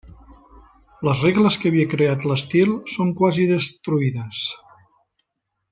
Les regles que havia creat l'estil són quasi destruïdes.